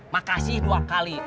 makasih dua kali